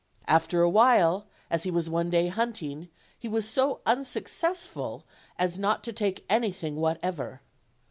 After awhile, as he was one day hunting, he was so unsuccessful as not to take any thing whatever.